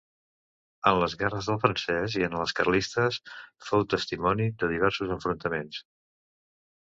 En les guerres del Francés i en les carlistes fou testimoni de diversos enfrontaments.